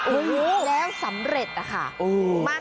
โอ้โฮแล้วสำเร็จค่ะ